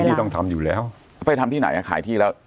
นี่ต้องทำอยู่แล้วแล้วไปทำที่ไหนอ่ะขายที่แล้ว